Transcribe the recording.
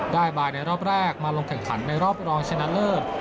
บายในรอบแรกมาลงแข่งขันในรอบรองชนะเลิศ